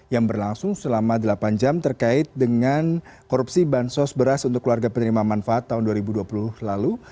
yang berlangsung selama delapan jam terkait dengan korupsi bansos beras untuk keluarga penerima manfaat tahun dua ribu dua puluh lalu